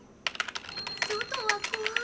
外は怖い。